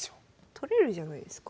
取れるじゃないですか。